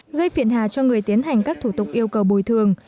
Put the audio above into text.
gây phiền hà cho người tiến hành các thủ tục yêu cầu bồi thường